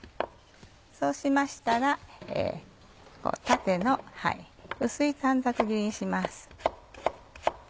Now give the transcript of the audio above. そうしましたら縦の薄い短冊切りにします。